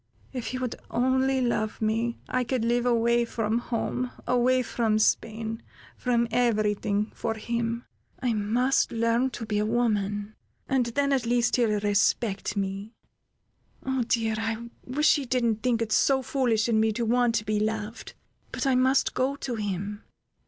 If he would only love me, I could live away from home, away from Spain, from every thing, for him! I must learn to be a woman, and then, at least he'll respect me. "Oh, dear! I wish he didn't think it so foolish in me to want to be loved! But I must go to him.